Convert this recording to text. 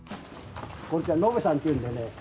これさ野辺さんっていうんでね。